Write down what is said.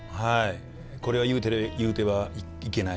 これは言うてはいけない